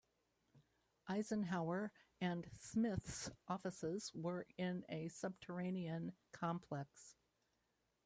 Eisenhower and Smith's offices were in a subterranean complex.